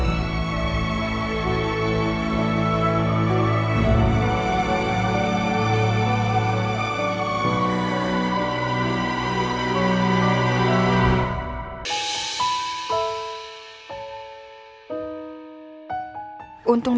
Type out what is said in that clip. untung jalan yang harus diambil